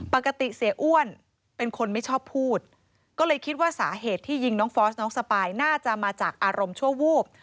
ปกติเสียอ้วนเป็นคนไม่ชอบพูดก็เลยคิดว่าสาเหตุที่ยิงน้องฟอสน้องสปายน่าจะมาจากอารมณ์ชั่ววูบ